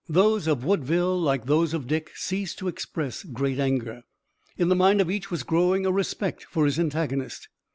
Those of Woodville like those of Dick ceased to express great anger. In the mind of each was growing a respect for his antagonist.